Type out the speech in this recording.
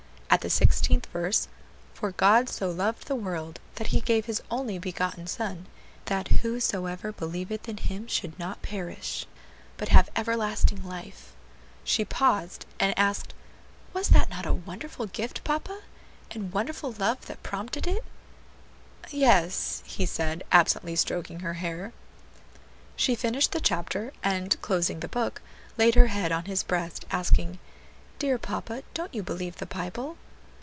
At the sixteenth verse, "For God so loved the world, that He gave His only begotten Son, that whosoever believeth in Him should not perish, but have everlasting life," she paused, and asked, "Was not that a wonderful gift, papa? and wonderful love that prompted it?" "Yes," he said, absently stroking her hair. She finished the chapter, and closing the book, laid her head on his breast, asking, "Dear papa, don't you believe the Bible?"